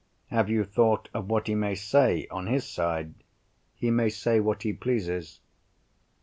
"Have you thought of what he may say, on his side?" "He may say what he pleases."